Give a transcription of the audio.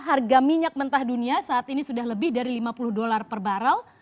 harga minyak mentah dunia saat ini sudah lebih dari rp lima puluh per baral